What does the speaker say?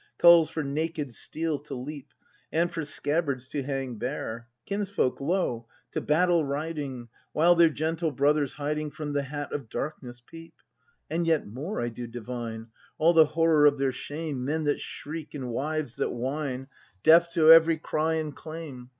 Calls for naked steel to leap. And for scabbards to hang bare; — Kinsfolk, lo, to battle riding, While their gentle brothers, hiding. From the hat of darkness peep. ACT v] BRAND 287 And yet more I do divine — All the horror of their shame, — Men that shriek and wives that whine. Deaf to every cry and claim.